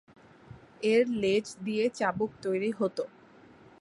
এর লেজ দিয়ে চাবুক তৈরি হত।